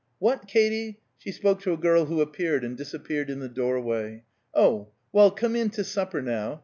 What, Katy?" she spoke to a girl who appeared and disappeared in the doorway. "Oh! Well, come in to supper, now.